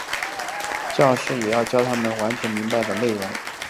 教师也要教他们没有完全明白的内容。